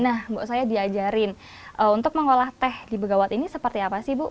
nah ibu saya diajarin untuk mengolah teh di begawat ini seperti apa sih bu